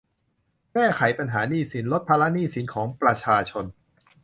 แก้ไขปัญหาหนี้สิน ลดภาระหนี้สินของประชาชน